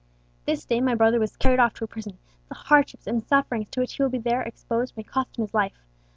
"This day my brother was carried off to a prison; the hardships and sufferings to which he will there be exposed may cost him his life.